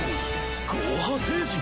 ゴーハ星人？